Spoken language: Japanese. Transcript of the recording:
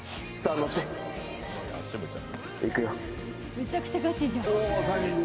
めちゃくちゃガチじゃん。